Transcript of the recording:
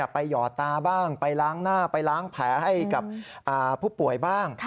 หยอดตาบ้างไปล้างหน้าไปล้างแผลให้กับผู้ป่วยบ้าง